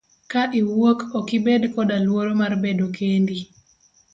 Ka iwuok okibed koda luoro mar bedo kendi.